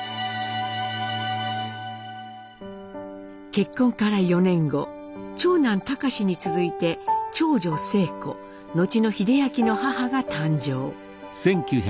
結婚から４年後長男隆に続いて長女晴子後の英明の母が誕生。